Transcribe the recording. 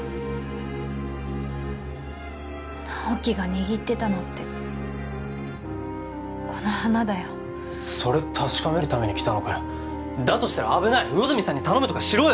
直木が握ってたのってこの花だよそれ確かめるために来たのかよだとしたら危ない魚住さんに頼むとかしろよ